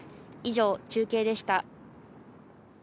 以上、中継でした。